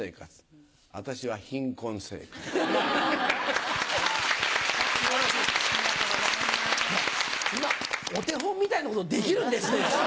そんなお手本みたいなことできるんですね。